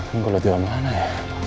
ini gue liat dia mana ya